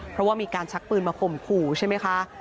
เพราะว่ามีการชักปืนมาข่มขู่ใช่ไหมคะ